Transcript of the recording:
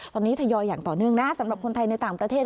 ตอนนี้ทยอยอย่างต่อเนื่องนะสำหรับคนไทยในต่างประเทศ